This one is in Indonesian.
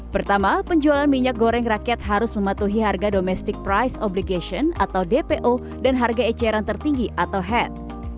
pertama penjualan minyak goreng rakyat harus mematuhi harga domestic price obligation atau dpo dan harga eceran tertinggi atau head